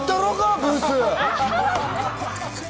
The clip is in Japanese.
ブース。